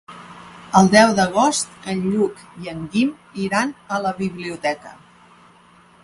El deu d'agost en Lluc i en Guim iran a la biblioteca.